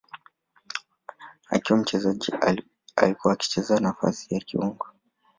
Akiwa mchezaji alikuwa akicheza nafasi ya kiungo.